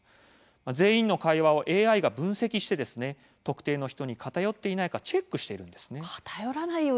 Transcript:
全員の会話をＡＩが分析して特定の人に偏っていないかチェックしています。